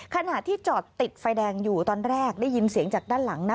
ขณะที่จอดติดไฟแดงอยู่ตอนแรกได้ยินเสียงจากด้านหลังนะ